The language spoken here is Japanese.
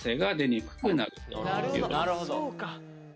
なるほどあっそうか！